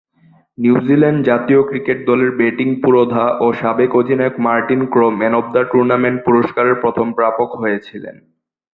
New Zealand Zealand cricket দলের batting পুরোধা ও সাবেক অধিনায়ক Martin Crowe man of the tournament পুরস্কারের প্রথম প্রাপক হয়েছিলেন।